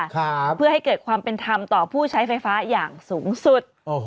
ครับเพื่อให้เกิดความเป็นธรรมต่อผู้ใช้ไฟฟ้าอย่างสูงสุดโอ้โห